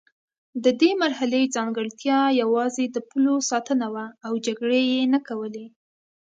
د دې مرحلې ځانګړتیا یوازې د پولو ساتنه وه او جګړې یې نه کولې.